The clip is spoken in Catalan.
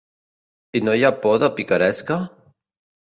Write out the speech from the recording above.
I no hi ha por de picaresca?